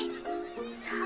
さあ。